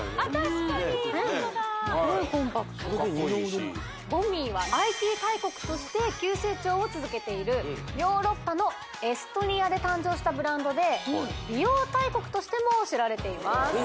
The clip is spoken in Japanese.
すごいコンパクトＶＯＮＭＩＥはＩＴ大国として急成長を続けているヨーロッパのエストニアで誕生したブランドで美容大国としても知られています